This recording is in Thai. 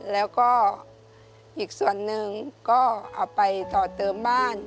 แล้วก็อีกส่วนหนึ่งก็เอาไปต่อเติมบ้าน